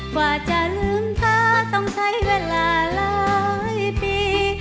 กว่าจะลืมตาต้องใช้เวลาหลายปี